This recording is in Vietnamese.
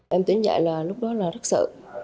em tưởng dạy là lúc đó là rất sợ